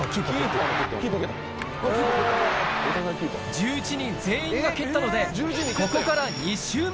１１人全員が蹴ったのでここから２週目！